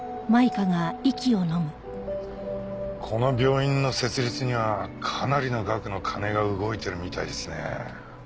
この病院の設立にはかなりの額の金が動いてるみたいですね。